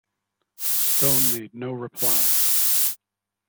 Stone made no reply.